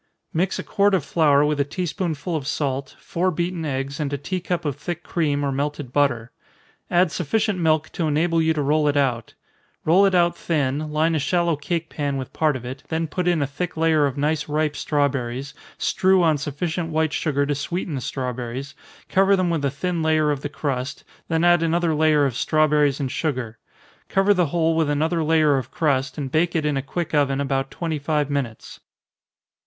_ Mix a quart of flour with a tea spoonful of salt, four beaten eggs, and a tea cup of thick cream, or melted butter. Add sufficient milk to enable you to roll it out roll it out thin, line a shallow cake pan with part of it, then put in a thick layer of nice ripe strawberries, strew on sufficient white sugar to sweeten the strawberries, cover them with a thin layer of the crust, then add another layer of strawberries and sugar cover the whole with another layer of crust, and bake it in a quick oven about twenty five minutes.